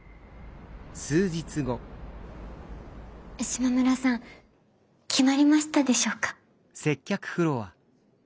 島村さん決まりましたでしょうか？